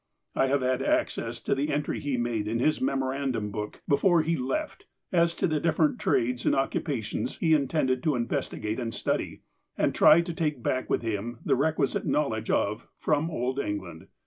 I have had access to the entry he made in his memo randum book before he left, as to the different trades and occupations he intended to investigate and study, and try to take back with him the requisite knowledge of, from old England.